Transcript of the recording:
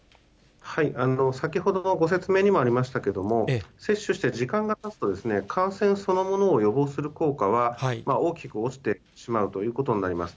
先ほどのご説明にもありましたけれども、接種して時間がたつと、感染そのものを予防する効果は大きく落ちてしまうということになります。